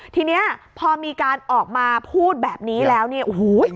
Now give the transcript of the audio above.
ทีนี้พอมีการออกมาพูดแบบนี้แล้วเนี่ยโอ้โห